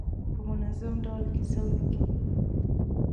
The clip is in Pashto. په منظم ډول کیسه ولیکي.